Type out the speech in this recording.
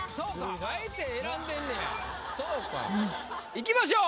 いきましょう。